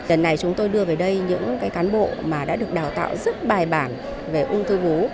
lần này chúng tôi đưa về đây những cán bộ mà đã được đào tạo rất bài bản về ung thư vú